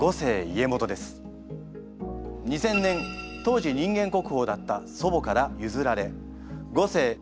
２０００年当時人間国宝だった祖母から譲られ五世・井上